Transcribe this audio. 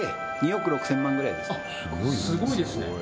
すごいですね